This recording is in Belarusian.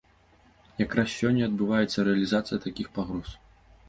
Якраз сёння адбываецца рэалізацыя такіх пагроз.